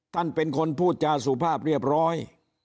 ท่านเป็นคนพูดจาสุภาพเรียบร้อย